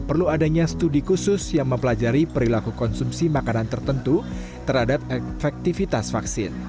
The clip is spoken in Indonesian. perlu adanya studi khusus yang mempelajari perilaku konsumsi makanan tertentu terhadap efektivitas vaksin